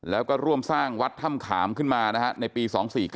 แล้วก็ร่วมสร้างวัดถ้ำขามขึ้นมาในปี๒๔๙